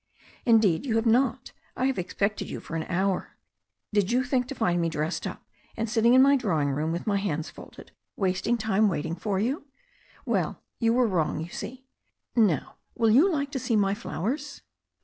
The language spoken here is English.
Indeed, you have not. I have expected you for an hour. Did you think to find me dressed up, and sitting in my drawing room with my hands folded, wasting time waiting for you? Well, you were wrong, you see. Now, will you like to see my flowers?"